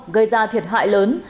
gây ra thiệt hại lớn